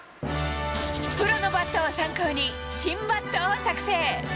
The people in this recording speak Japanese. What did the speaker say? プロのバットを参考に、新バットを作成。